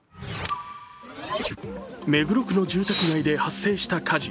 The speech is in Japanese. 目黒区の住宅街で発生した火事。